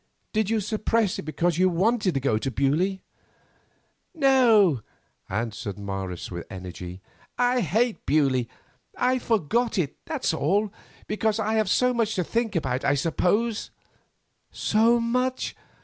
Did you suppress it because you wanted to go to Beaulieu?" "No," answered Morris with energy; "I hate Beaulieu. I forgot, that is all; because I have so much to think about, I suppose." "So much?